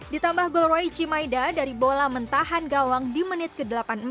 ditambah gold roy cimaida dari bola mentahan gawang di menit ke delapan puluh empat